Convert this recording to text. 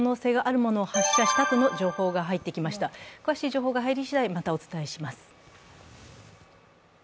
詳しい情報が入りしだい、またお伝えします。